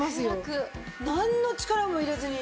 なんの力も入れずに。